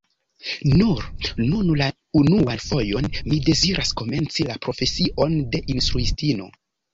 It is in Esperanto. Nur nun la unuan fojon mi deziras komenci la profesion de instruistino.